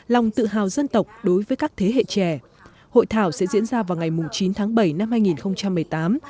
lòng tự hào dân tộc đối với các thế hệ trẻ hội thảo sẽ diễn ra vào ngày chín tháng bảy năm hai nghìn một mươi tám